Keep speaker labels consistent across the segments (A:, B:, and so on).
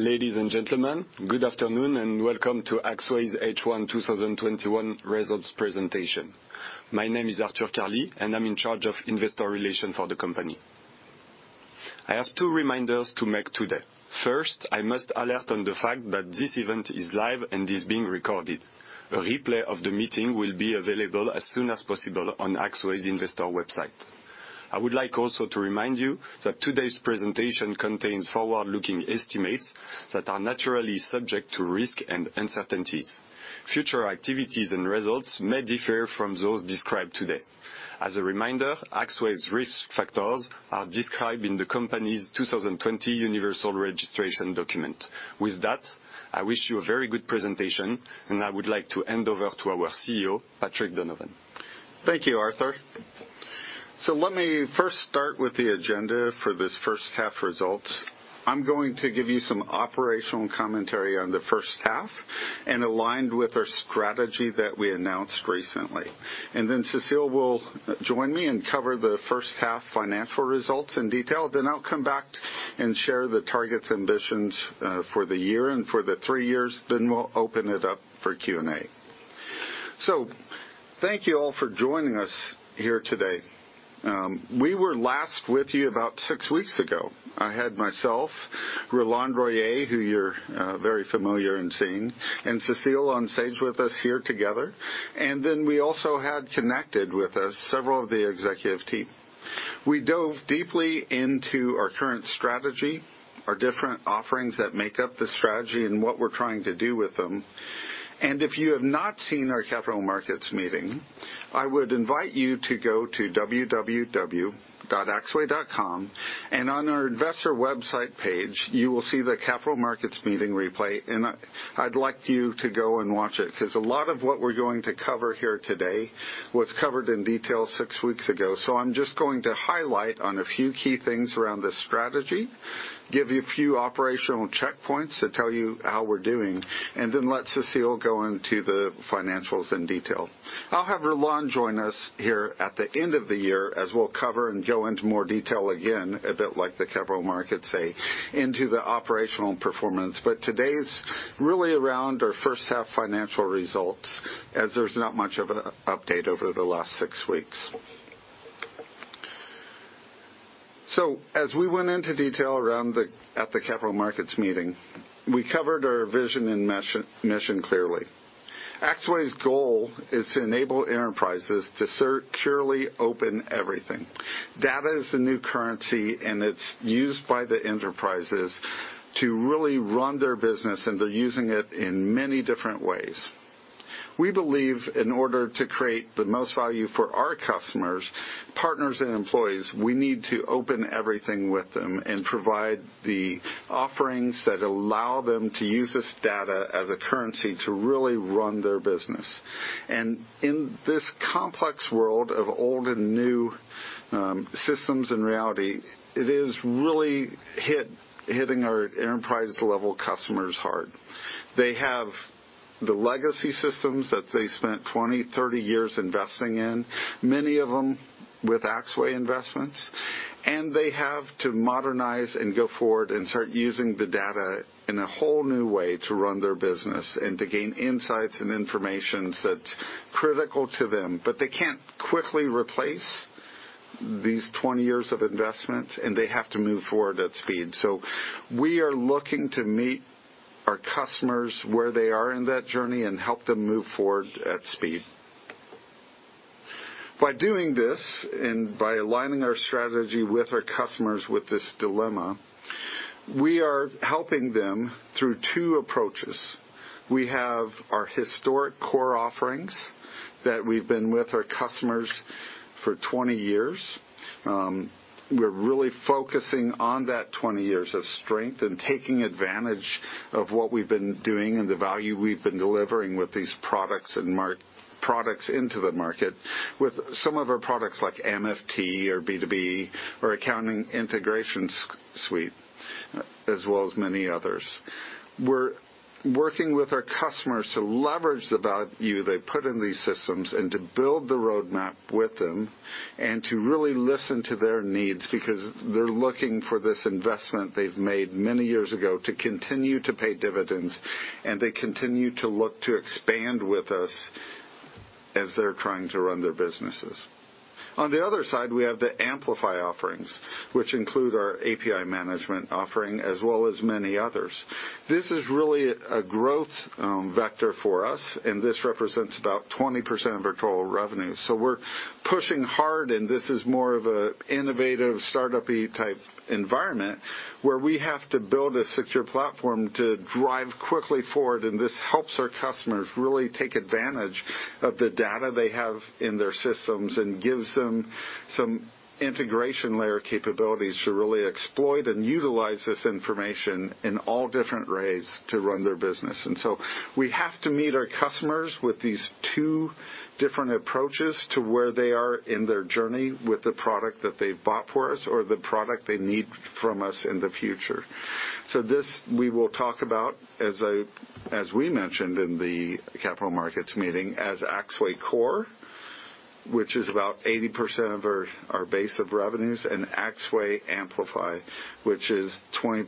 A: Ladies and gentlemen, good afternoon and welcome to Axway's H1 2021 Results Presentation. My name is Arthur Carli, and I'm in charge of Investor Relations for the company. I have two reminders to make today. First, I must alert on the fact that this event is live and is being recorded. A replay of the meeting will be available as soon as possible on Axway's investor website. I would like also to remind you that today's presentation contains forward-looking estimates that are naturally subject to risk and uncertainties. Future activities and results may differ from those described today. As a reminder, Axway's risk factors are described in the company's 2020 universal registration document. With that, I wish you a very good presentation, and I would like to hand over to our CEO, Patrick Donovan.
B: Thank you, Arthur. Let me first start with the agenda for this first half results. I'm going to give you some operational commentary on the first half and aligned with our strategy that we announced recently. Cecile will join me and cover the first half financial results in detail. I'll come back and share the targets ambitions for the year and for the three years. We'll open it up for Q&A. Thank you all for joining us here today. We were last with you about six weeks ago. I had myself, Roland Royer, who you're very familiar in seeing, and Cecile on stage with us here together. We also had connected with us several of the executive team. We dove deeply into our current strategy, our different offerings that make up the strategy, and what we're trying to do with them. If you have not seen our capital markets meeting, I would invite you to go to www.axway.com, and on our investor website page, you will see the capital markets meeting replay. I'd like you to go and watch it because a lot of what we're going to cover here today was covered in detail six weeks ago. I'm just going to highlight on a few key things around the strategy, give you a few operational checkpoints to tell you how we're doing, and then let Cecile go into the financials in detail. I'll have Roland join us here at the end of the year as we'll cover and go into more detail again, a bit like the capital markets say, into the operational performance. Today's really around our first half financial results, as there's not much of an update over the last six weeks. As we went into detail around at the capital markets meeting, we covered our vision and mission clearly. Axway's goal is to enable enterprises to securely open everything. Data is the new currency, and it's used by the enterprises to really run their business, and they're using it in many different ways. We believe in order to create the most value for our customers, partners, and employees, we need to open everything with them and provide the offerings that allow them to use this data as a currency to really run their business. In this complex world of old and new systems and reality, it is really hitting our enterprise level customers hard. They have the legacy systems that they spent 20, 30 years investing in, many of them with Axway investments, and they have to modernize and go forward and start using the data in a whole new way to run their business and to gain insights and information that's critical to them. They can't quickly replace these 20 years of investment, and they have to move forward at speed. We are looking to meet our customers where they are in that journey and help them move forward at speed. By doing this, and by aligning our strategy with our customers with this dilemma, we are helping them through two approaches. We have our historic core offerings that we've been with our customers for 20 years. We're really focusing on that 20 years of strength and taking advantage of what we've been doing and the value we've been delivering with these products into the market with some of our products like MFT or B2B or Accounting Integration Suite, as well as many others. We're working with our customers to leverage the value they put in these systems and to build the roadmap with them and to really listen to their needs because they're looking for this investment they've made many years ago to continue to pay dividends, and they continue to look to expand with us as they're trying to run their businesses. On the other side, we have the Amplify offerings, which include our API management offering as well as many others. This is really a growth vector for us, and this represents about 20% of our total revenue. We're pushing hard, and this is more of an innovative startup-y type environment where we have to build a secure platform to drive quickly forward. This helps our customers really take advantage of the data they have in their systems and gives them some integration layer capabilities to really exploit and utilize this information in all different ways to run their business. We have to meet our customers with these two different approaches to where they are in their journey with the product that they've bought for us or the product they need from us in the future. This we will talk about, as we mentioned in the capital markets meeting, as Axway Core, which is about 80% of our base of revenues, and Axway Amplify, which is 20%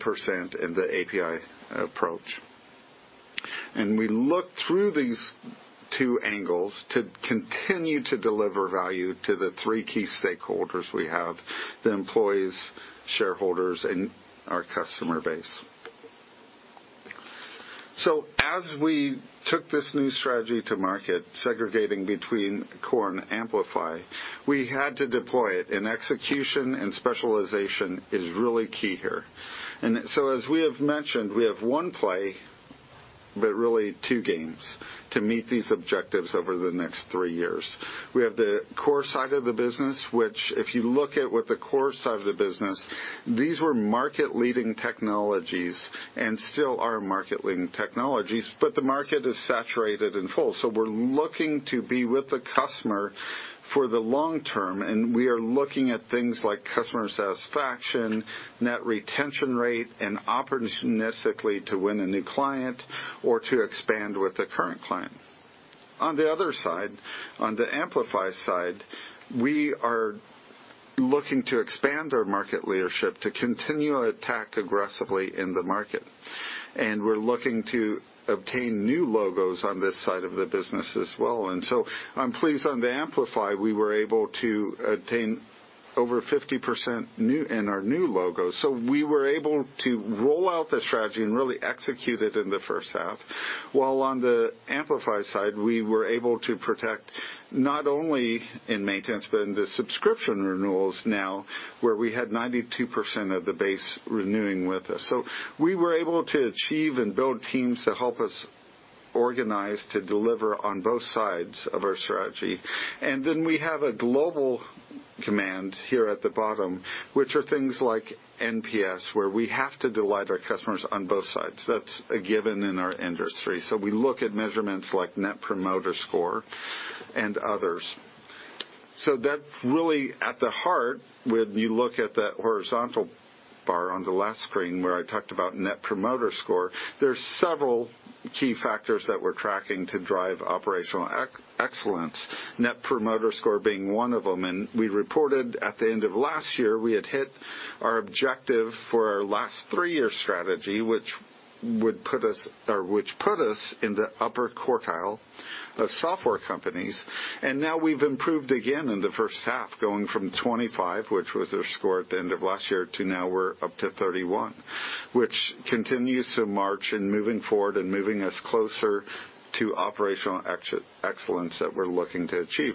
B: in the API approach. We look through these two angles to continue to deliver value to the three key stakeholders we have, the employees, shareholders, and our customer base. As we took this new strategy to market, segregating between Core and Amplify, we had to deploy it, and execution and specialization is really key here. As we have mentioned, we have one play, but really two games to meet these objectives over the next three years. We have the Core side of the business, which if you look at with the Core side of the business, these were market-leading technologies and still are market-leading technologies, but the market is saturated and full. We're looking to be with the customer for the long term, and we are looking at things like customer satisfaction, net retention rate, and opportunistically to win a new client or to expand with a current client. On the other side, on the Amplify side, we are looking to expand our market leadership to continue to attack aggressively in the market. We're looking to obtain new logos on this side of the business as well. I'm pleased on the Amplify, we were able to attain over 50% in our new logos. We were able to roll out the strategy and really execute it in the first half, while on the Amplify side, we were able to protect not only in maintenance, but in the subscription renewals now, where we had 92% of the base renewing with us. We were able to achieve and build teams to help us organize to deliver on both sides of our strategy. Then we have a global command here at the bottom, which are things like NPS, where we have to delight our customers on both sides. That's a given in our industry. We look at measurements like net promoter score and others. That's really at the heart, when you look at that horizontal bar on the last screen where I talked about net promoter score, there's several key factors that we're tracking to drive operational excellence, net promoter score being one of them. We reported at the end of last year, we had hit our objective for our last three-year strategy, which put us in the upper quartile of software companies. Now we've improved again in the first half, going from 25, which was our score at the end of last year, to now we're up to 31. Which continues to march in moving forward and moving us closer to operational excellence that we're looking to achieve.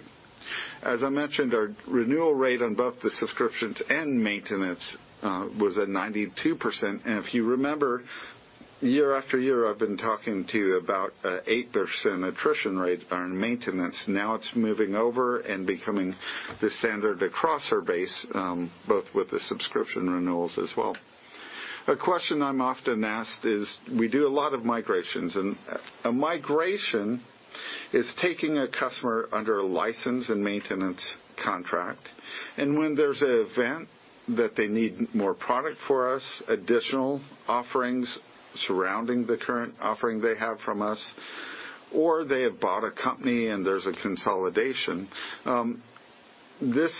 B: As I mentioned, our renewal rate on both the subscriptions and maintenance was at 92%. If you remember, year after year, I've been talking to you about 8% attrition rates on maintenance. Now it's moving over and becoming the standard across our base, both with the subscription renewals as well. A question I'm often asked is, we do a lot of migrations, and a migration is taking a customer under a license and maintenance contract. When there's an event that they need more product for us, additional offerings surrounding the current offering they have from us, or they have bought a company and there's a consolidation. This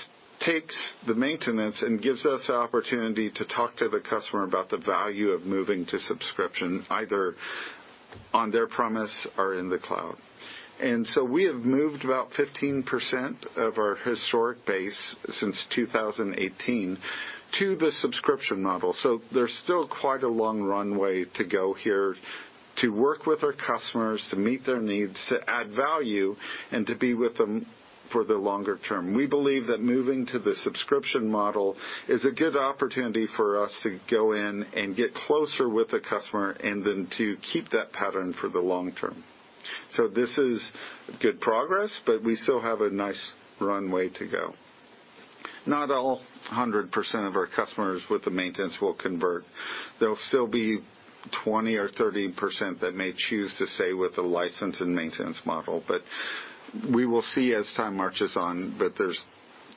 B: takes the maintenance and gives us the opportunity to talk to the customer about the value of moving to subscription, either on their premise or in the cloud. We have moved about 15% of our historic base since 2018 to the subscription model. There's still quite a long runway to go here to work with our customers, to meet their needs, to add value, and to be with them for the longer term. We believe that moving to the subscription model is a good opportunity for us to go in and get closer with the customer and then to keep that pattern for the long term. This is good progress, but we still have a nice runway to go. Not all 100% of our customers with the maintenance will convert. There'll still be 20% or 30% that may choose to stay with the license and maintenance model. We will see as time marches on, there's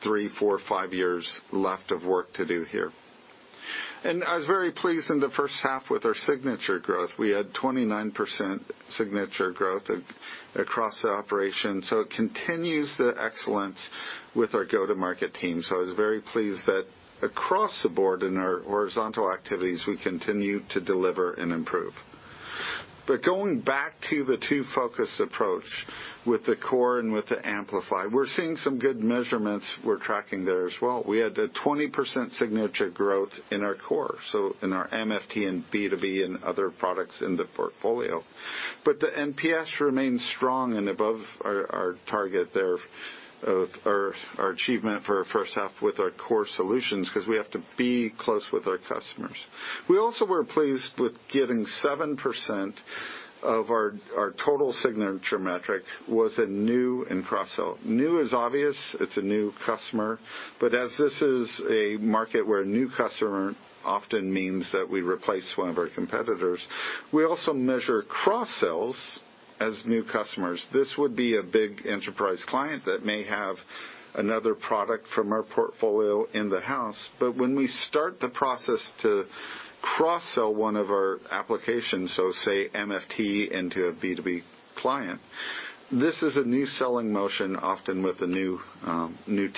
B: three, four, five years left of work to do here. I was very pleased in the first half with our signature growth. We had 29% signature growth across the operation. It continues the excellence with our go-to-market team. I was very pleased that across the board in our horizontal activities, we continue to deliver and improve. Going back to the two-focus approach with the Core and with the Amplify, we're seeing some good measurements we're tracking there as well. We had a 20% signature growth in our Core, so in our MFT and B2B and other products in the portfolio. The NPS remains strong and above our target there of our achievement for our first half with our Core solutions, because we have to be close with our customers. We also were pleased with getting 7% of our total signature metric was in new and cross-sell. New is obvious. It's a new customer. As this is a market where a new customer often means that we replace one of our competitors, we also measure cross-sells as new customers. This would be a big enterprise client that may have another product from our portfolio in the house. When we start the process to cross-sell one of our applications, so say MFT into a B2B client. This is a new selling motion, often with a new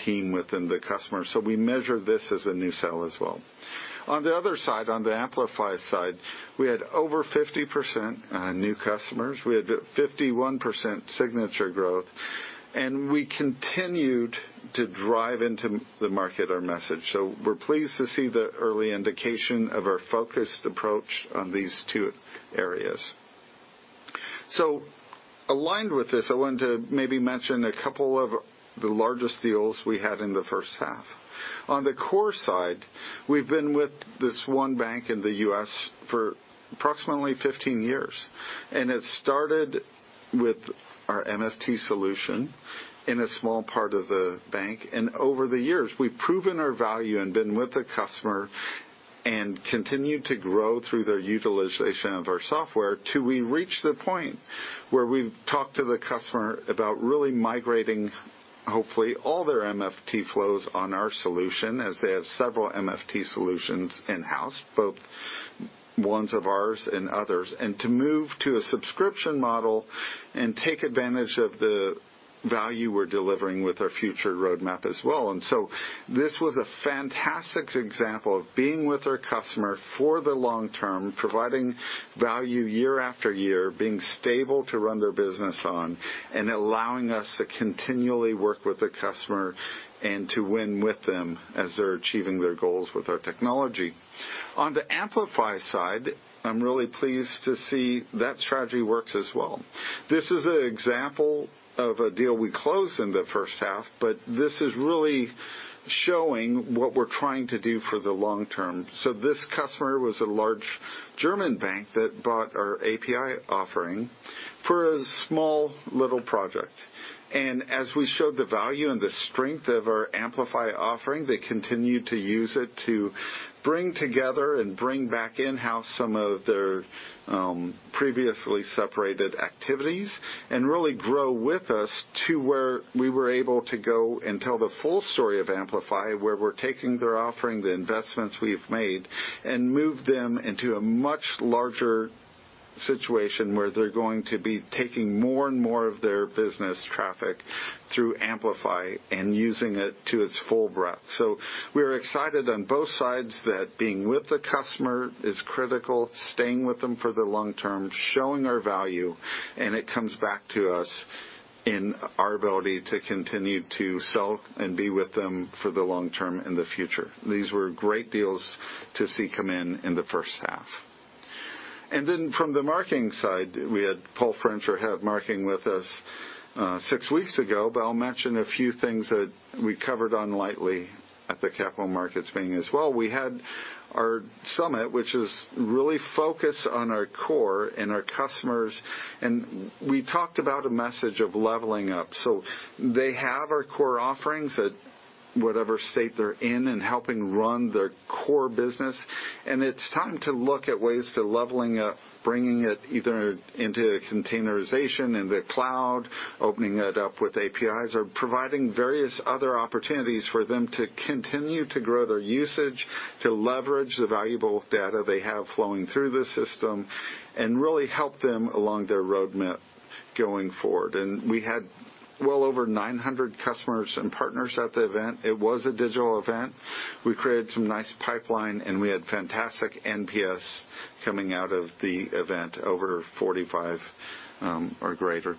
B: team within the customer. We measure this as a new sale as well. On the other side, on the Amplify side, we had over 50% new customers. We had 51% signature growth, we continued to drive into the market our message. We're pleased to see the early indication of our focused approach on these two areas. Aligned with this, I wanted to maybe mention a couple of the largest deals we had in the first half. On the core side, we've been with this one bank in the U.S. for approximately 15 years, and it started with our MFT solution in a small part of the bank. Over the years, we've proven our value and been with the customer and continued to grow through their utilization of our software till we reached the point where we've talked to the customer about really migrating, hopefully, all their MFT flows on our solution, as they have several MFT solutions in-house, both ones of ours and others. To move to a subscription model and take advantage of the value we're delivering with our future roadmap as well. This was a fantastic example of being with our customer for the long term, providing value year after year, being stable to run their business on, and allowing us to continually work with the customer and to win with them as they're achieving their goals with our technology. On the Amplify side, I'm really pleased to see that strategy works as well. This is an example of a deal we closed in the first half, but this is really showing what we're trying to do for the long term. This customer was a large German bank that bought our API offering for a small, little project. As we showed the value and the strength of our Amplify offering, they continued to use it to bring together and bring back in-house some of their previously separated activities and really grow with us to where we were able to go and tell the full story of Amplify, where we're taking their offering, the investments we've made, and move them into a much larger situation where they're going to be taking more and more of their business traffic through Amplify and using it to its full breadth. We're excited on both sides that being with the customer is critical, staying with them for the long term, showing our value, and it comes back to us in our ability to continue to sell and be with them for the long term in the future. These were great deals to see come in in the first half. From the marketing side, we had Paul French head marketing with us six weeks ago, but I'll mention a few things that we covered on lightly at the capital markets meeting as well. We had our summit, which is really focused on our core and our customers, and we talked about a message of leveling up. They have our core offerings at whatever state they're in and helping run their core business. It's time to look at ways to leveling up, bringing it either into containerization in the cloud, opening it up with APIs or providing various other opportunities for them to continue to grow their usage, to leverage the valuable data they have flowing through the system, and really help them along their roadmap going forward. We had well over 900 customers and partners at the event. It was a digital event. We created some nice pipeline, and we had fantastic NPS coming out of the event, over 45 or greater.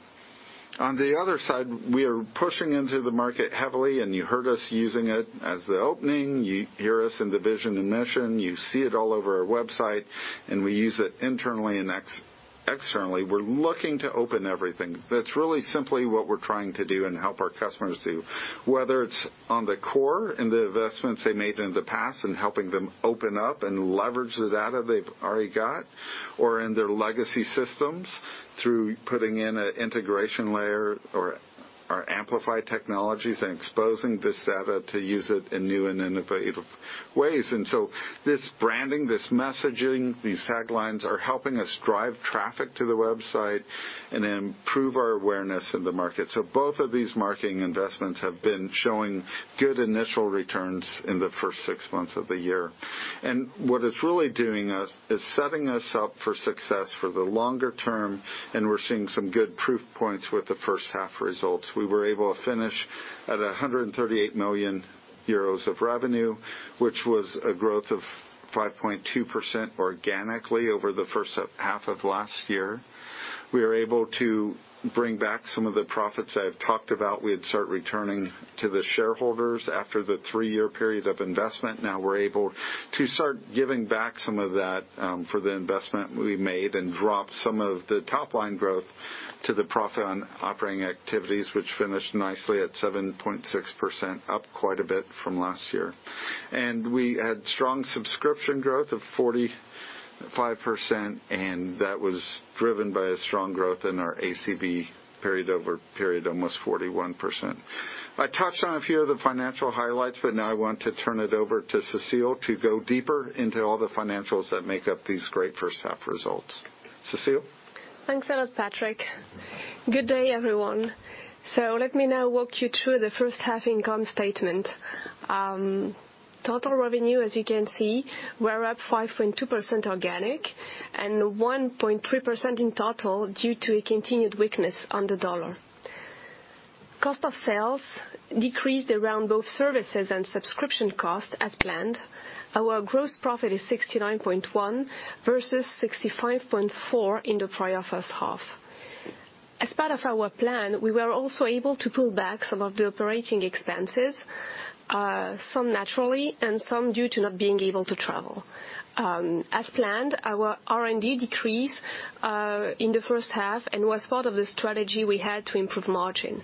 B: On the other side, we are pushing into the market heavily, and you heard us using it as the opening. You hear us in the vision and mission. You see it all over our website, and we use it internally and externally. We're looking to open everything. That's really simply what we're trying to do and help our customers do. Whether it's on the core and the investments they made in the past and helping them open up and leverage the data they've already got or in their legacy systems through putting in an integration layer or our Amplify technologies and exposing this data to use it in new and innovative ways. This branding, this messaging, these taglines are helping us drive traffic to the website and improve our awareness in the market. Both of these marketing investments have been showing good initial returns in the first six months of the year. What it's really doing is setting us up for success for the longer term, and we're seeing some good proof points with the first half results. We were able to finish at 138 million euros of revenue, which was a growth of 5.2% organically over the first half of last year. We are able to bring back some of the profits I've talked about. We'd start returning to the shareholders after the three-year period of investment. We're able to start giving back some of that for the investment we made and drop some of the top-line growth to the profit on operating activities, which finished nicely at 7.6%, up quite a bit from last year. We had strong subscription growth of 45%, and that was driven by a strong growth in our ACV period-over-period, almost 41%. I touched on a few of the financial highlights, now I want to turn it over to Cecile to go deeper into all the financials that make up these great first half results. Cecile?
C: Thanks a lot, Patrick. Good day, everyone. Let me now walk you through the first half income statement. Total revenue, as you can see, were up 5.2% organic and 1.3% in total due to a continued weakness on the dollar. Cost of sales decreased around both services and subscription costs as planned. Our gross profit is 69.1% versus 65.4% in the prior first half. As part of our plan, we were also able to pull back some of the operating expenses, some naturally and some due to not being able to travel. As planned, our R&D decreased in the first half and was part of the strategy we had to improve margin.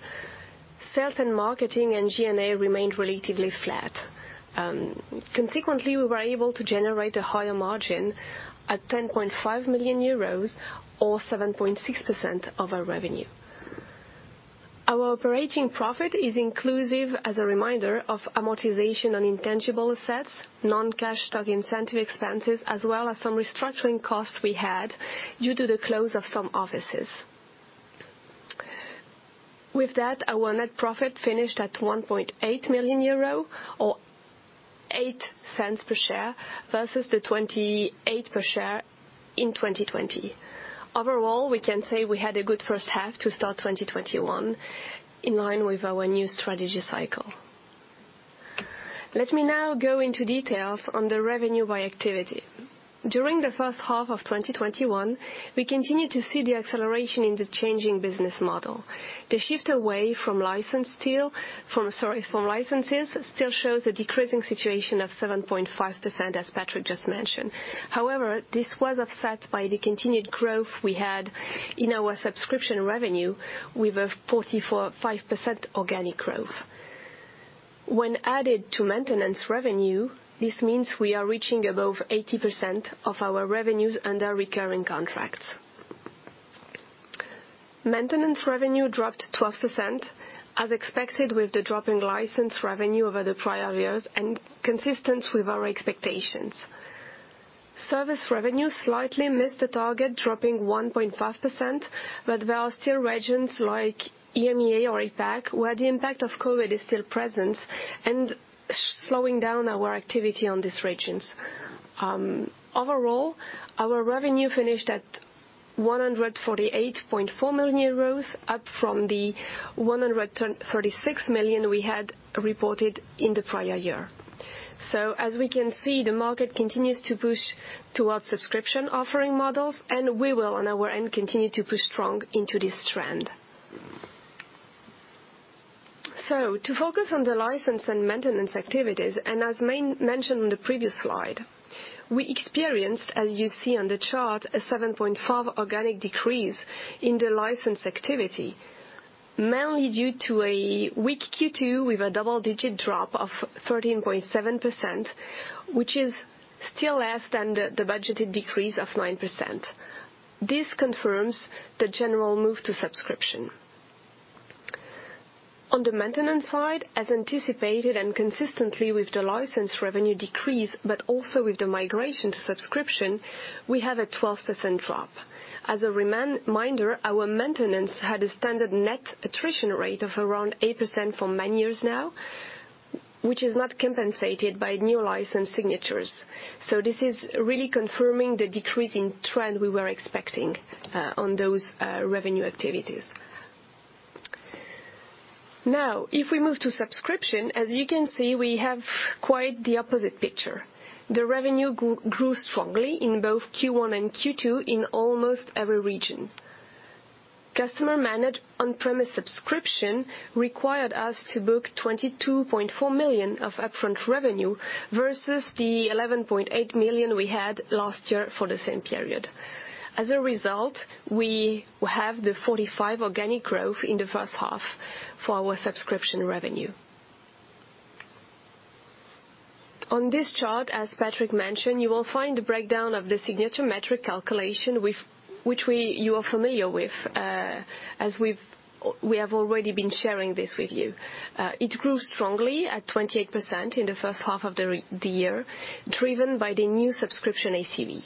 C: Sales and marketing and G&A remained relatively flat. We were able to generate a higher margin at 10.5 million euros or 7.6% of our revenue. Our operating profit is inclusive, as a reminder, of amortization on intangible assets, non-cash stock incentive expenses, as well as some restructuring costs we had due to the close of some offices. With that, our net profit finished at 1.8 million euro or 0.08 per share versus the 0.28 per share in 2020. Overall, we can say we had a good first half to start 2021 in line with our new strategy cycle. Let me now go into details on the revenue by activity. During the first half of 2021, we continued to see the acceleration in the changing business model. The shift away from licenses still shows a decreasing situation of 7.5%, as Patrick Donovan just mentioned. This was offset by the continued growth we had in our subscription revenue with a 45% organic growth. When added to maintenance revenue, this means we are reaching above 80% of our revenues under recurring contracts. Maintenance revenue dropped 12%, as expected with the drop in license revenue over the prior years and consistent with our expectations. Service revenue slightly missed the target, dropping 1.5%, but there are still regions like EMEA or APAC, where the impact of COVID is still present and slowing down our activity on these regions. Overall, our revenue finished at 148.4 million euros, up from the 136 million we had reported in the prior year. As we can see, the market continues to push towards subscription offering models, and we will, on our end, continue to push strong into this trend. To focus on the license and maintenance activities, and as mentioned on the previous slide, we experienced, as you see on the chart, a 7.5% organic decrease in the license activity, mainly due to a weak Q2 with a double-digit drop of 13.7%, which is still less than the budgeted decrease of 9%. This confirms the general move to subscription. On the maintenance side, as anticipated and consistently with the license revenue decrease, but also with the migration to subscription, we have a 12% drop. As a reminder, our maintenance had a standard net attrition rate of around 8% for many years now, which is not compensated by new license signatures. This is really confirming the decreasing trend we were expecting on those revenue activities. If we move to subscription, as you can see, we have quite the opposite picture. The revenue grew strongly in both Q1 and Q2 in almost every region. Customer managed on-premise subscription required us to book 22.4 million of upfront revenue versus the 11.8 million we had last year for the same period. Result, we have the 45% organic growth in the first half for our subscription revenue. On this chart, as Patrick mentioned, you will find the breakdown of the signature metric calculation which you are familiar with, as we have already been sharing this with you. It grew strongly at 28% in the first half of the year, driven by the new subscription ACV.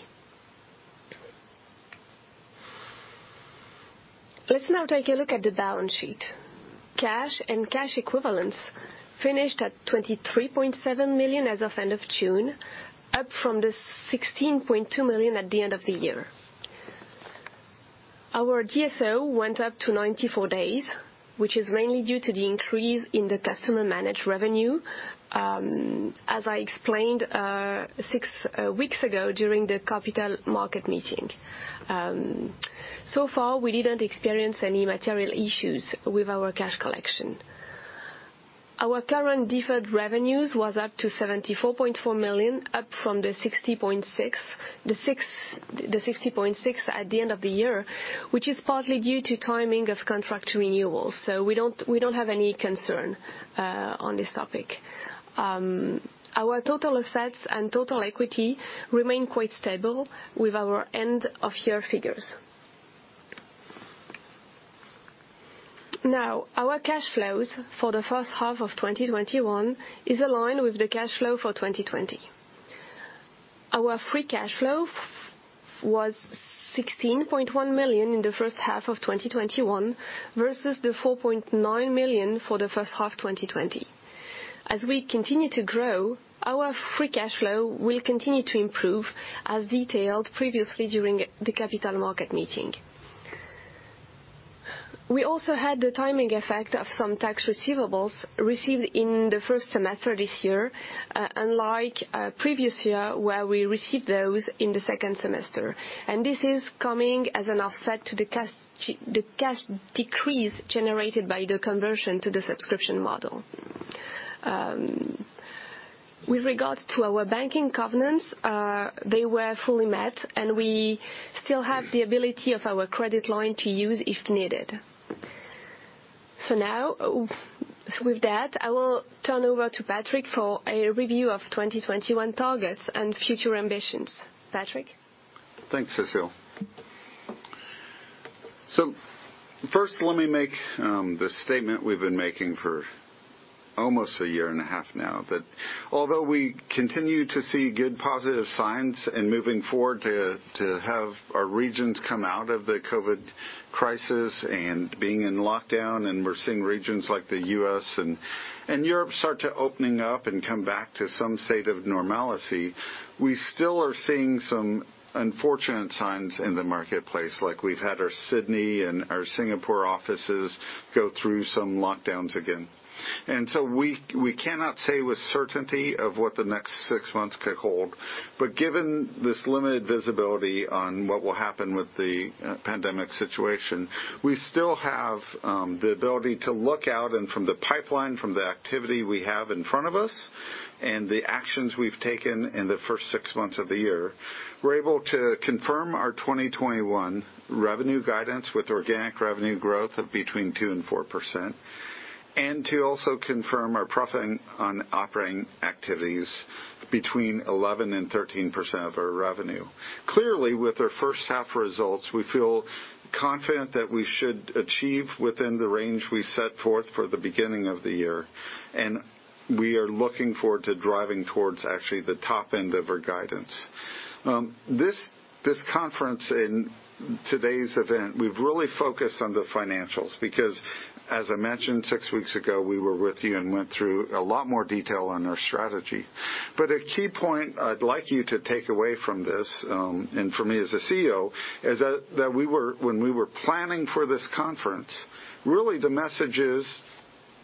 C: Let's now take a look at the balance sheet. Cash and cash equivalents finished at 23.7 million as of end of June, up from the 16.2 million at the end of the year. Our DSO went up to 94 days, which is mainly due to the increase in the customer managed revenue, as I explained six weeks ago during the capital market meeting. Far, we didn't experience any material issues with our cash collection. Our current deferred revenues was up to 74.4 million, up from the 60.6 at the end of the year, which is partly due to timing of contract renewals. We don't have any concern on this topic. Our total assets and total equity remain quite stable with our end of year figures. Our cash flows for the first half of 2021 is aligned with the cash flow for 2020. Our free cash flow was 16.1 million in the first half of 2021 versus the 4.9 million for the first half 2020. As we continue to grow, our free cash flow will continue to improve, as detailed previously during the capital market meeting. We also had the timing effect of some tax receivables received in the first semester this year, unlike previous year, where we received those in the second semester. This is coming as an offset to the cash decrease generated by the conversion to the subscription model. With regard to our banking covenants, they were fully met, and we still have the ability of our credit line to use if needed. Now, with that, I will turn over to Patrick for a review of 2021 targets and future ambitions. Patrick?
B: Thanks, Cecile. First, let me make the statement we've been making for almost a year and a half now, that although we continue to see good positive signs in moving forward to have our regions come out of the COVID crisis and being in lockdown, and we're seeing regions like the U.S. and Europe start to opening up and come back to some state of normalcy, we still are seeing some unfortunate signs in the marketplace. Like we've had our Sydney and our Singapore offices go through some lockdowns again. So we cannot say with certainty of what the next six months could hold. Given this limited visibility on what will happen with the pandemic situation, we still have the ability to look out and from the pipeline, from the activity we have in front of us, and the actions we've taken in the first six months of the year, we're able to confirm our 2021 revenue guidance with organic revenue growth of between 2% and 4%, and to also confirm our profit on operating activities between 11% and 13% of our revenue. Clearly, with our first half results, we feel confident that we should achieve within the range we set forth for the beginning of the year. We are looking forward to driving towards actually the top end of our guidance. This conference and today's event, we've really focused on the financials because, as I mentioned, six weeks ago, we were with you and went through a lot more detail on our strategy. A key point I'd like you to take away from this, and for me as a CEO, is that when we were planning for this conference, really the message is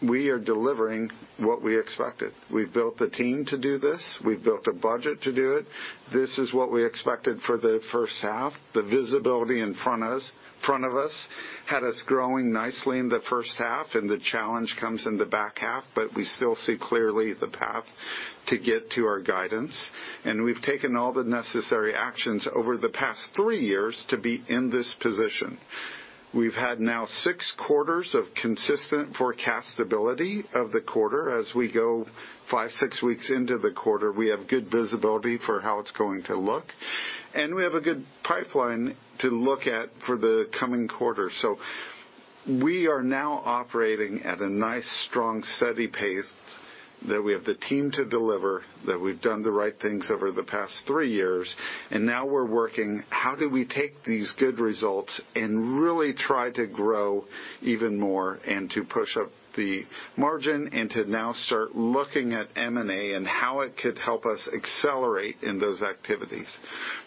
B: we are delivering what we expected. We've built the team to do this. We've built a budget to do it. This is what we expected for the first half. The visibility in front of us had us growing nicely in the first half, and the challenge comes in the back half, but we still see clearly the path to get to our guidance. We've taken all the necessary actions over the past three years to be in this position. We've had now six quarters of consistent forecast ability of the quarter. As we go five, six weeks into the quarter, we have good visibility for how it's going to look. We have a good pipeline to look at for the coming quarter. We are now operating at a nice, strong, steady pace that we have the team to deliver, that we've done the right things over the past three years, and now we're working, how do we take these good results and really try to grow even more and to push up the margin and to now start looking at M&A and how it could help us accelerate in those activities.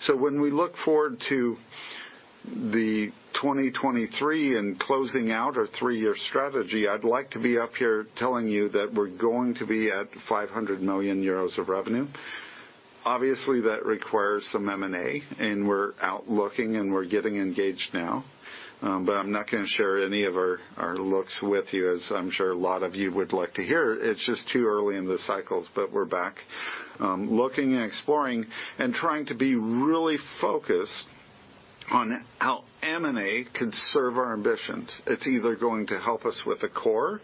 B: When we look forward to the 2023 and closing out our three-year strategy, I'd like to be up here telling you that we're going to be at 500 million euros of revenue. Obviously, that requires some M&A, and we're out looking, and we're getting engaged now. I'm not going to share any of our looks with you, as I'm sure a lot of you would like to hear. It's just too early in the cycles, but we're back looking and exploring and trying to be really focused on how M&A could serve our ambitions. It's either going to help us with the core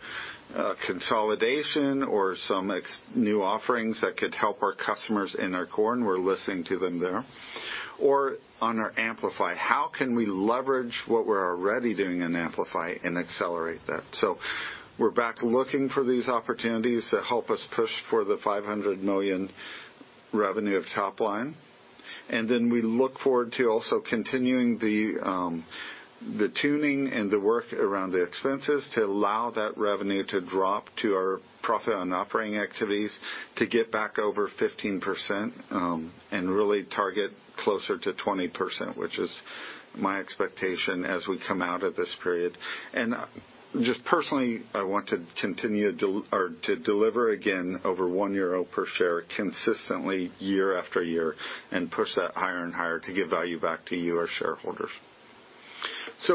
B: consolidation or some new offerings that could help our customers in our Core, and we're listening to them there, or on our Amplify. How can we leverage what we're already doing in Amplify and accelerate that? We're back looking for these opportunities that help us push for the 500 million revenue of top line. We look forward to also continuing the tuning and the work around the expenses to allow that revenue to drop to our profit on operating activities to get back over 15% and really target closer to 20%, which is my expectation as we come out of this period. Just personally, I want to continue to deliver again over 1 euro per share consistently year after year and push that higher and higher to give value back to you, our shareholders.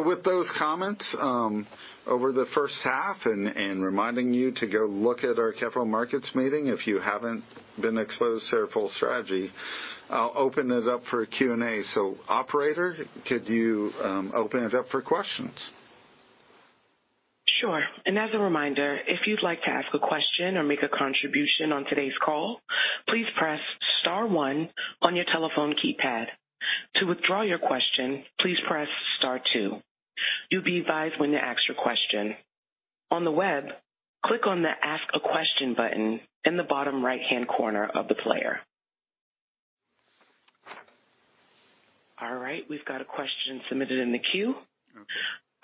B: With those comments over the first half and reminding you to go look at our capital markets meeting, if you haven't been exposed to our full strategy, I'll open it up for Q&A. Operator, could you open it up for questions?
D: Sure. As a reminder, if you'd like to ask a question or make a contribution on today's call, please press star one on your telephone keypad. To withdraw your question, please press star two. You'll be advised when to ask your question. On the web, click on the Ask a Question button in the bottom right-hand corner of the player. All right, we've got a question submitted in the queue.
B: Okay.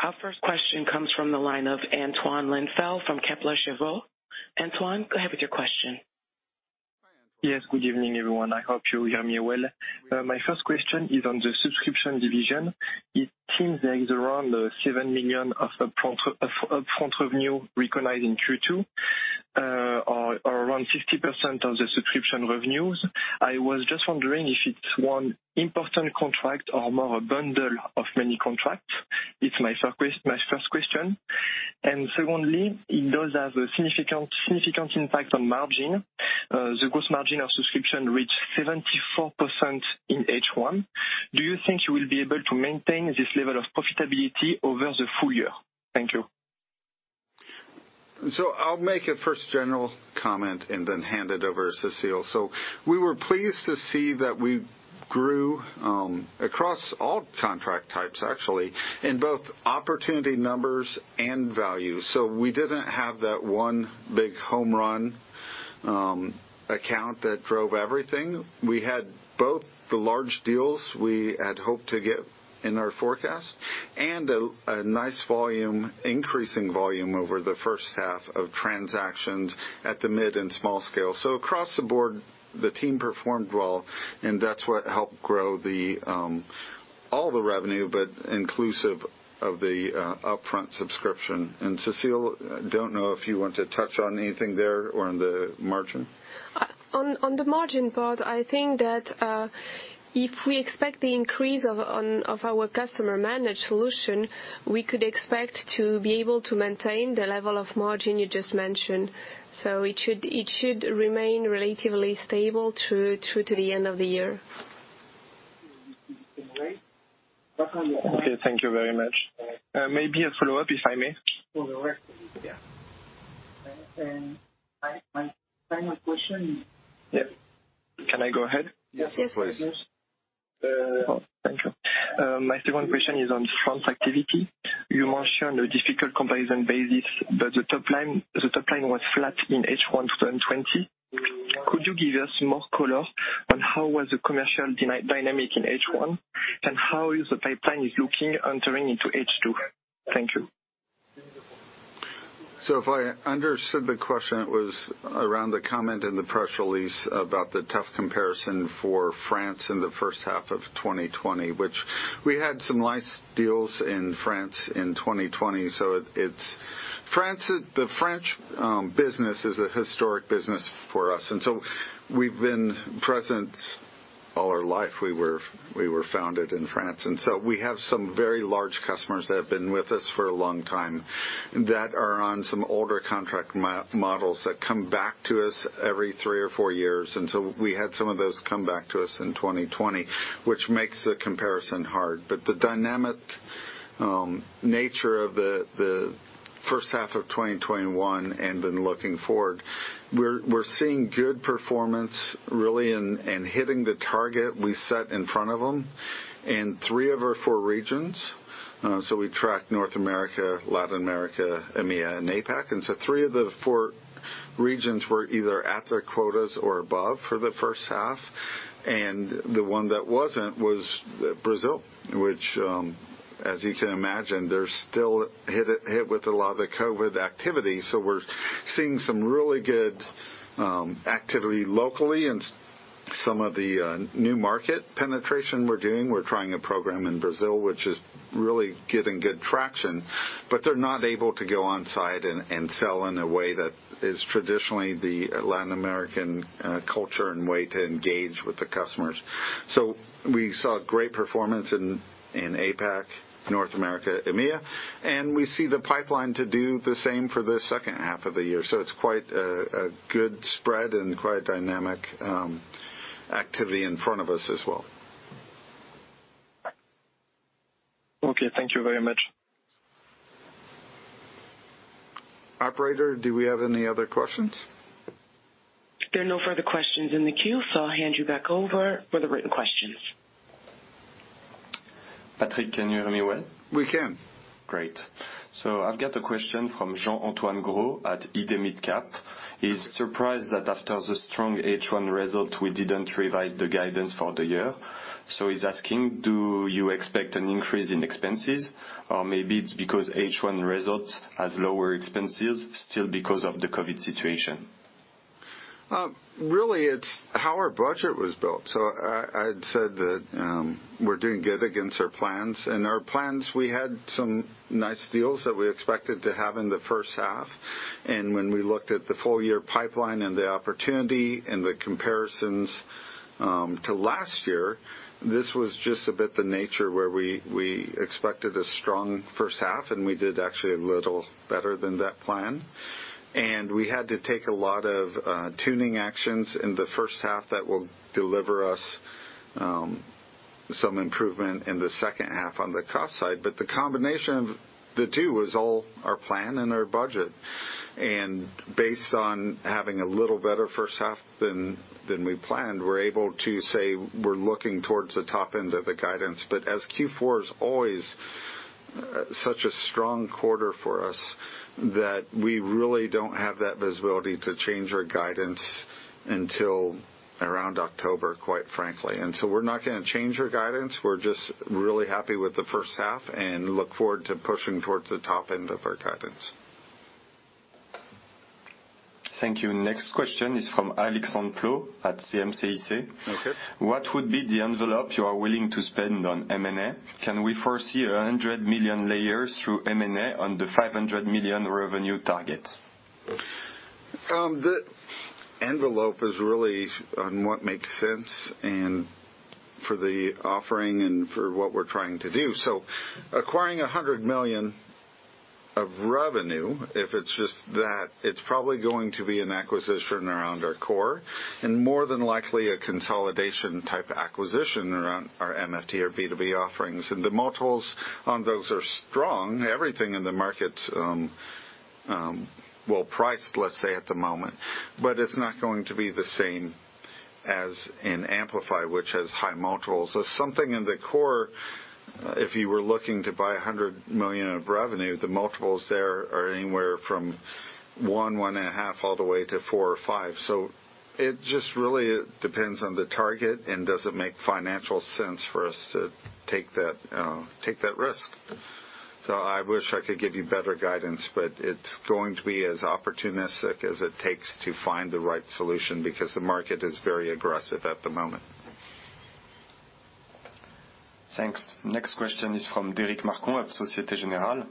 D: Our first question comes from the line of Antoine Lensel from Kepler Cheuvreux. Antoine, go ahead with your question.
E: Yes, good evening, everyone. I hope you hear me well. My first question is on the subscription division. It seems there is around 7 million of upfront revenue recognized in Q2, or around 50% of the subscription revenues. I was just wondering if it's one important contract or more a bundle of many contracts. It's my first question. Secondly, it does have a significant impact on margin. The gross margin of subscription reached 74% in H1. Do you think you will be able to maintain this level of profitability over the full year? Thank you.
B: I'll make a first general comment and then hand it over to Cecile. We were pleased to see that we grew, across all contract types, actually, in both opportunity numbers and value. We didn't have that one big home run account that drove everything. We had both the large deals we had hoped to get in our forecast and a nice volume, increasing volume over the first half of transactions at the mid and small scale. Across the board, the team performed well, and that's what helped grow all the revenue, but inclusive of the upfront subscription. Cecile, don't know if you want to touch on anything there or on the margin.
C: On the margin part, I think that, if we expect the increase of our customer managed solution, we could expect to be able to maintain the level of margin you just mentioned. It should remain relatively stable through to the end of the year.
E: Okay. Thank you very much. Maybe a follow-up, if I may.
B: Yeah.
E: Can I go ahead?
B: Yes, please.
C: Yes.
E: Thank you. My second question is on France activity. You mentioned a difficult comparison basis, but the top line was flat in H1 2020. Could you give us more color on how was the commercial dynamic in H1, and how is the pipeline looking entering into H2? Thank you.
B: If I understood the question, it was around the comment in the press release about the tough comparison for France in the first half of 2020. We had some nice deals in France in 2020, the French business is a historic business for us. We've been present all our life. We were founded in France, we have some very large customers that have been with us for a long time that are on some older contract models that come back to us every three or four years. We had some of those come back to us in 2020, which makes the comparison hard. The dynamic nature of the first half of 2021, and then looking forward, we're seeing good performance really and hitting the target we set in front of them in three of our four regions. We track North America, Latin America, EMEA, and APAC. Three of the four regions were either at their quotas or above for the first half. The one that wasn't was Brazil, which, as you can imagine, they're still hit with a lot of the COVID activity. We're seeing some really good activity locally and some of the new market penetration we're doing. We're trying a program in Brazil, which is really getting good traction, but they're not able to go on-site and sell in a way that is traditionally the Latin American culture and way to engage with the customers. We saw great performance in APAC, North America, EMEA, and we see the pipeline to do the same for the second half of the year. It's quite a good spread and quite dynamic activity in front of us as well.
E: Okay, thank you very much.
B: Operator, do we have any other questions?
D: There are no further questions in the queue, so I'll hand you back over for the written questions.
A: Patrick, can you hear me well?
B: We can.
A: Great. I've got a question from Jean-Antoine Grau at IDMidCaps. He's surprised that after the strong H1 result, we didn't revise the guidance for the year. He's asking, do you expect an increase in expenses? Or maybe it's because H1 results has lower expenses, still because of the COVID situation.
B: Really, it's how our budget was built. I'd said that we're doing good against our plans. In our plans, we had some nice deals that we expected to have in the first half. When we looked at the full-year pipeline and the opportunity and the comparisons to last year, this was just a bit the nature where we expected a strong first half, and we did actually a little better than that plan. We had to take a lot of tuning actions in the first half that will deliver us some improvement in the second half on the cost side. The combination of the two was all our plan and our budget. Based on having a little better first half than we planned, we're able to say we're looking towards the top end of the guidance. As Q4 is always such a strong quarter for us, that we really don't have that visibility to change our guidance until around October, quite frankly. We're not going to change our guidance. We're just really happy with the first half and look forward to pushing towards the top end of our guidance.
A: Thank you. Next question is from [Alekson Plew] at CM-CIC.
B: Okay.
A: What would be the envelope you are willing to spend on M&A? Can we foresee 100 million through M&A on the 500 million revenue target?
B: The envelope is really on what makes sense, and for the offering and for what we're trying to do. Acquiring 100 million of revenue, if it's just that, it's probably going to be an acquisition around our core, and more than likely a consolidation type acquisition around our MFT or B2B offerings. The multiples on those are strong. Everything in the market, well-priced, let's say, at the moment. It's not going to be the same as in Amplify, which has high multiples. Something in the core, if you were looking to buy 100 million of revenue, the multiples there are anywhere from one and half, all the way to four or five. It just really depends on the target, and does it make financial sense for us to take that risk. I wish I could give you better guidance, but it's going to be as opportunistic as it takes to find the right solution, because the market is very aggressive at the moment.
A: Thanks. Next question is from Derric Marcon at Societe Generale.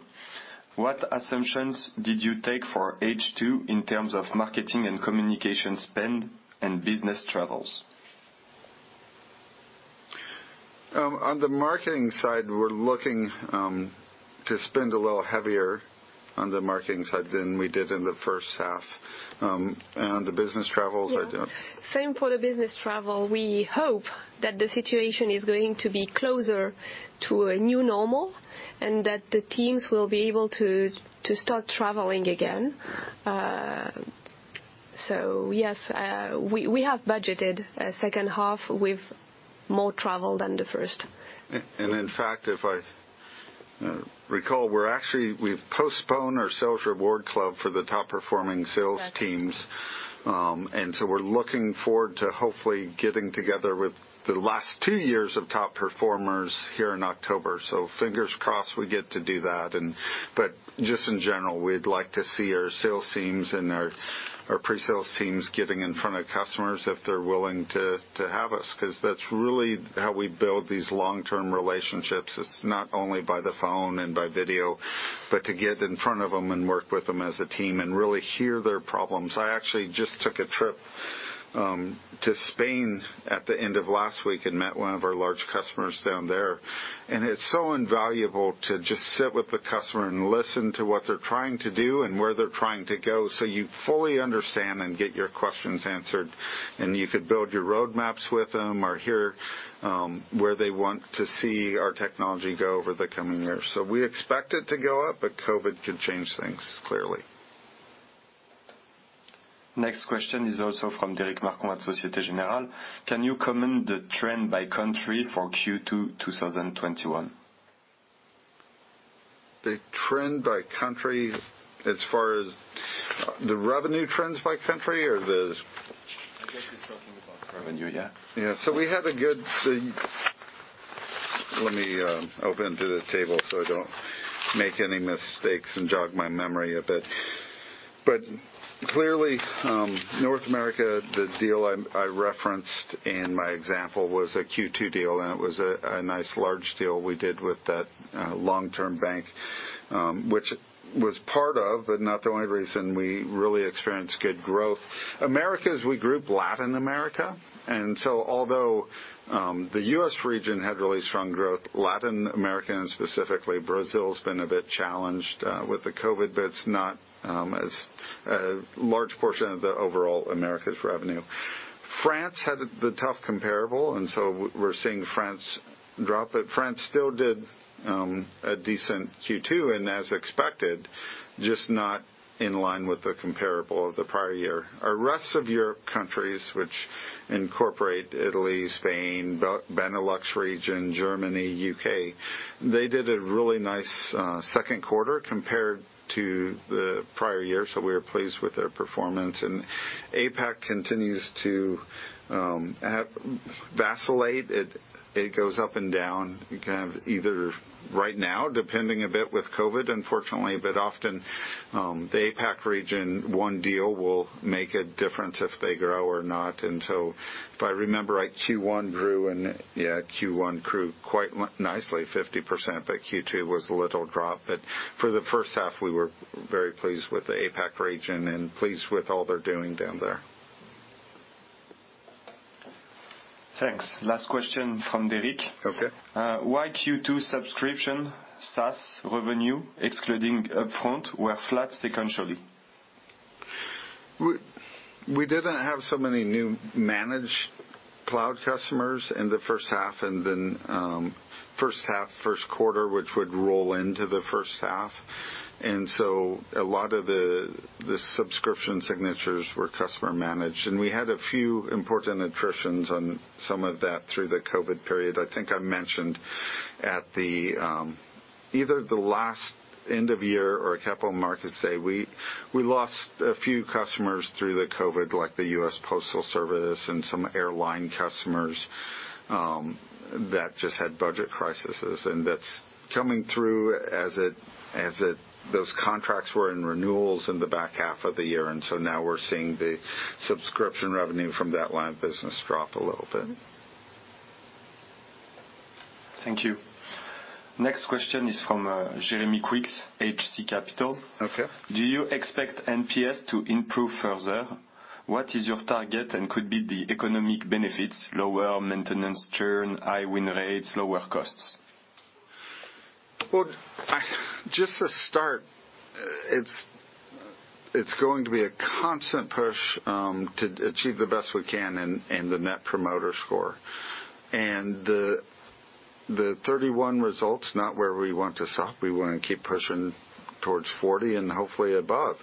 A: What assumptions did you take for H2 in terms of marketing and communication spend and business travels?
B: On the marketing side, we're looking to spend a little heavier on the marketing side than we did in the first half. On the business travels I don't.
C: Yeah. Same for the business travel. We hope that the situation is going to be closer to a new normal, and that the teams will be able to start traveling again. Yes, we have budgeted a second half with more travel than the first.
B: In fact, if I recall, we've postponed our sales reward club for the top performing sales teams.
C: That's right.
B: We're looking forward to hopefully getting together with the last two years of top performers here in October. Fingers crossed we get to do that. Just in general, we'd like to see our sales teams and our pre-sales teams getting in front of customers if they're willing to have us, because that's really how we build these long-term relationships. It's not only by the phone and by video, but to get in front of them and work with them as a team and really hear their problems. I actually just took a trip to Spain at the end of last week and met one of our large customers down there. It's so invaluable to just sit with the customer and listen to what they're trying to do and where they're trying to go so you fully understand and get your questions answered. You could build your roadmaps with them or hear where they want to see our technology go over the coming years. We expect it to go up. COVID could change things, clearly.
A: Next question is also from Derric Marcon at Societe Generale. Can you comment the trend by country for Q2 2021?
B: The trend by country as far as the revenue trends by country or the.
A: I guess he's talking about revenue, yeah.
B: Yeah. Let me open to the table so I don't make any mistakes and jog my memory a bit. Clearly, North America, the deal I referenced in my example was a Q2 deal, and it was a nice large deal we did with that long-term bank, which was part of, but not the only reason we really experienced good growth. Americas, we group Latin America. Although the U.S. region had really strong growth, Latin American, specifically Brazil, has been a bit challenged with the COVID, but it's not as large portion of the overall Americas revenue. France had the tough comparable, we're seeing France drop. France still did a decent Q2, and as expected, just not in line with the comparable of the prior year. Our rest of Europe countries, which incorporate Italy, Spain, Benelux region, Germany, U.K., they did a really nice second quarter compared to the prior year, so we are pleased with their performance. APAC continues to vacillate. It goes up and down. You can have either right now, depending a bit with COVID, unfortunately, but often, the APAC region, one deal will make a difference if they grow or not. So if I remember right, Q1 grew, and yeah, Q1 grew quite nicely, 50%, but Q2 was a little drop. For the first half, we were very pleased with the APAC region and pleased with all they're doing down there.
A: Thanks. Last question from Derric.
B: Okay.
A: Why Q2 subscription, SaaS revenue, excluding upfront, were flat sequentially?
B: We didn't have so many new managed cloud customers in the first half, first quarter, which would roll into the first half. A lot of the subscription signatures were customer managed, and we had a few important attritions on some of that through the COVID period. I think I mentioned at either the last end of year or capital markets day, we lost a few customers through the COVID, like the U.S. Postal Service and some airline customers that just had budget crises, and that's coming through as those contracts were in renewals in the back half of the year. Now we're seeing the subscription revenue from that line of business drop a little bit.
A: Thank you. Next question is from Jérémie Couix, HC Capital.
B: Okay.
A: Do you expect NPS to improve further? What is your target and could be the economic benefits, lower maintenance churn, high win rates, lower costs?
B: Just to start, it's going to be a constant push to achieve the best we can in the net promoter score. The 31 result's not where we want to stop. We want to keep pushing towards 40 and hopefully above.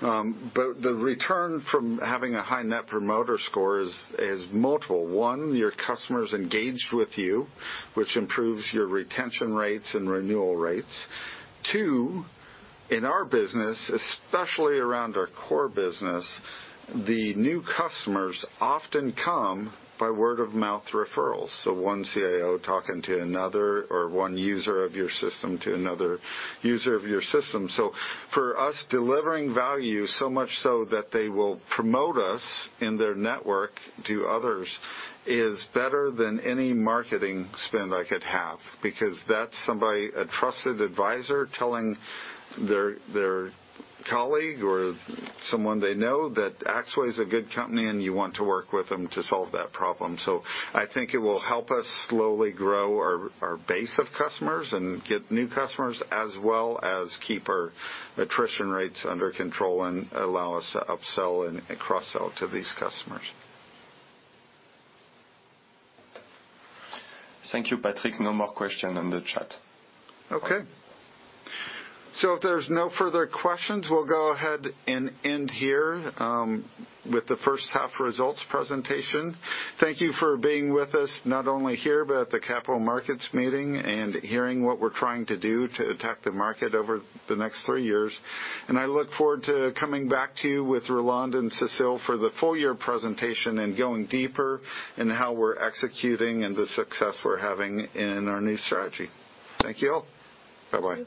B: The return from having a high net promoter score is multiple. One, your customer's engaged with you, which improves your retention rates and renewal rates. Two, in our business, especially around our core business, the new customers often come by word of mouth referrals. One CIO talking to another, or one user of your system to another user of your system. For us, delivering value, so much so that they will promote us in their network to others is better than any marketing spend I could have, because that's somebody, a trusted advisor, telling their colleague or someone they know that Axway is a good company and you want to work with them to solve that problem. I think it will help us slowly grow our base of customers and get new customers as well as keep our attrition rates under control and allow us to upsell and cross-sell to these customers.
A: Thank you, Patrick. No more question on the chat.
B: If there's no further questions, we'll go ahead and end here with the first half results presentation. Thank you for being with us, not only here, but at the capital markets meeting and hearing what we're trying to do to attack the market over the next three years. I look forward to coming back to you with Roland Royer and Cecile for the full year presentation and going deeper in how we're executing and the success we're having in our new strategy. Thank you all. Bye-bye.